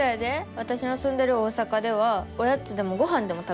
わたしのすんでる大阪ではおやつでもごはんでも食べるで。